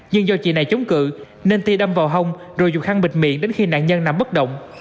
nhưng do chị này chống cự nên ti đâm vào hông rồi dùng khăn bịt miệng đến khi nạn nhân nằm bất động